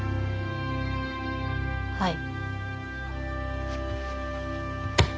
はい。